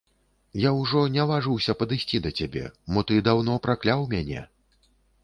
Я ўжо не важыўся падысці да цябе, мо ты даўно пракляў мяне?